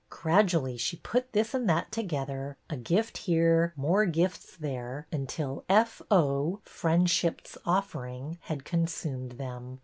Grad ually she put this and that together, a gift here, more gifts there, until '' F. O.," Friendship's Of fering, had consumed them.